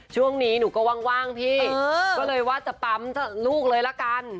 ช่วงนี้หนูก็ว่างพี่ก็เลยว่าจะปั๊มลูกเลยละกัน